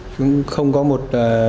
cũng không có một